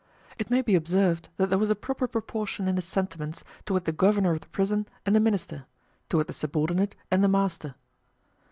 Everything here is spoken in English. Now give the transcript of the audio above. It may be observed that there was a proper proportion in his sentiments toward the governor of the prison and the minister—toward the subordinate and the master.